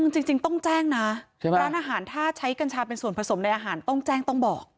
จริงต้องแจ้งนะร้านอาหารถ้าใช้กัญชาเป็นส่วนผสมในอาหารต้องแจ้งต้องบอก